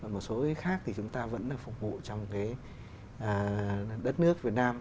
một số cái khác thì chúng ta vẫn là phục vụ trong cái đất nước việt nam